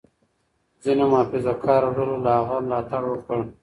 ځینو محافظه کارو ډلو له هغه ملاتړ وکړ.